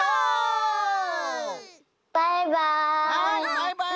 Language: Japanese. バイバイ。